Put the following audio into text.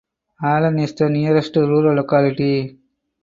Alan is the nearest rural locality.